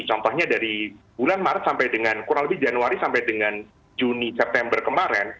contohnya dari bulan maret sampai dengan kurang lebih januari sampai dengan juni september kemarin